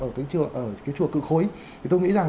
ở cái chùa cự khối thì tôi nghĩ rằng